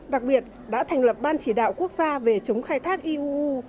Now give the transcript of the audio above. đặc biệt đã thành lập ban chỉ đạo quốc gia về chống khai thác iuu